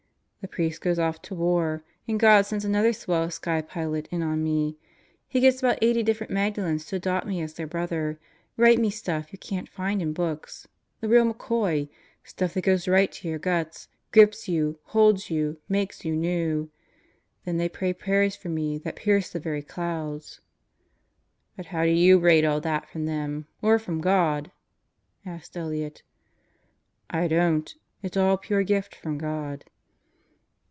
The priest goes off to war, and God sends another swell sky pilot in on me. He gets about eighty Christmas Gifts 139 different Magdalens to adopt me as their brother, write me stuff you can't find in books, the real McCoy, stuff that goes right to your guts, grips you, holds you, makes you new. Then they pray prayers for me that pierce the very clouds." "But how do you rate all that from them or from God?" asked Elliott "I don't. It's all pure gift from God."